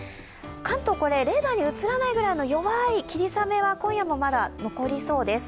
関東、レーダーに映らないぐらいの弱い霧雨は今夜もまだ残りそうです。